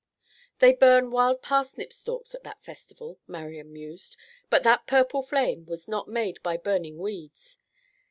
"They burn wild parsnip stalks in that festival," Marian mused, "but that purple flame was not made by burning weeds.